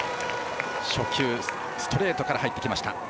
初球ストレートから入ってきた。